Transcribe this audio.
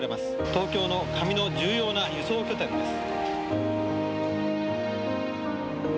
東京の紙の重要な輸送拠点です。